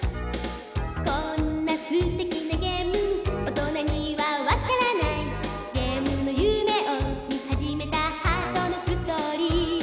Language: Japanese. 「こんなすてきなゲーム大人にはわからない」「ゲームの夢をみはじめたハートのストーリー」